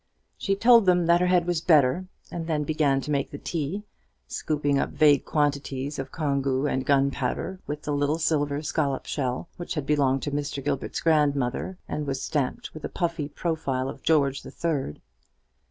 She told them that her head was better; and then began to make the tea, scooping up vague quantities of congou and gunpowder with the little silver scollop shell, which had belonged to Mr. Gilbert's grandmother, and was stamped with a puffy profile of George the Third.